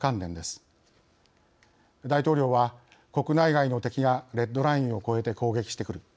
大統領は国内外の敵がレッドラインを超えて攻撃してくる。